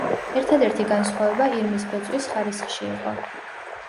ერთადერთი განსხვავება ირმის ბეწვის ხარისხში იყო.